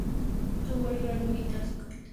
Tuvo el grado militar de capitán.